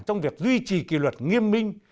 trong việc duy trì kỳ luật nghiêm minh